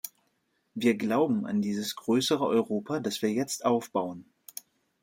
Wir glauben an dieses größere Europa, das wir jetzt aufbauen.